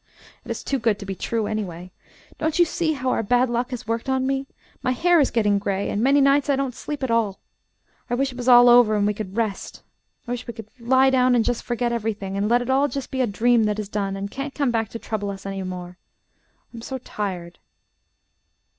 It is too good to be true, anyway. Don't you see how our bad luck has worked on me? My hair is getting gray, and many nights I don't sleep at all. I wish it was all over and we could rest. I wish we could lie down and just forget everything, and let it all be just a dream that is done and can't come back to trouble us any more. I am so tired."